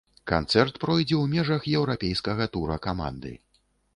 Канцэрт пройдзе ў межах еўрапейскага тура каманды.